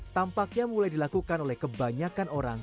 tampaknya mulai dilakukan oleh kebanyakan orang